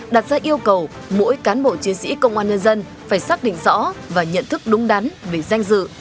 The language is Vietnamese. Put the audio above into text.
đặt ra yêu cầu mỗi cán bộ chiến sĩ công an nhân dân phải xác định rõ và nhận thức đúng đắn về danh dự